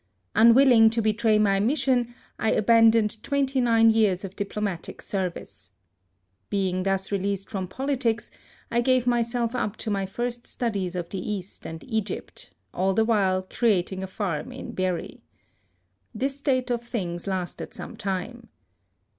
Unwilling to betray my mission, I abandoned twenty nine years of diplomatic service. Being thus released from politics, I gave myself up to my first studies of the East and Egypt, all the while creating a farm in Berry. This state of things lasted some time.